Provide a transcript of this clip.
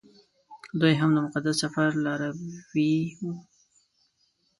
دوی هم د مقدس سفر لاروي وو.